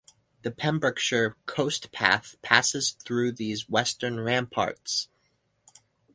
The Pembrokeshire Coast Path passes through these western ramparts.